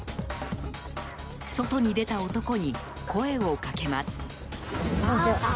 外に出た男に声をかけます。